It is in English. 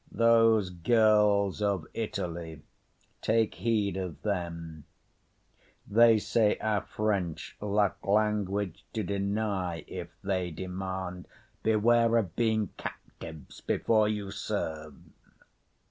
Those girls of Italy, take heed of them; They say our French lack language to deny If they demand; beware of being captives Before you serve.